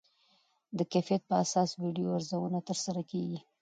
د کیفیت پر اساس ویډیو ارزونه ترسره کېږي.